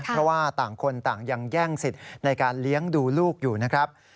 เพราะว่าต่างคนต่างยังแย่งสิทธิ์ในการเลี้ยงดูลูกอยู่นะครับ